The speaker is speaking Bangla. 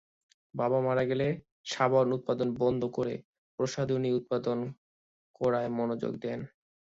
বাবা মারা গেলে সাবান উৎপাদন বন্ধ করে প্রসাধনী উৎপাদন করায় মনোযোগ দেন।